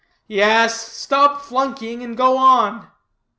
"Yes, stop flunkying and go on."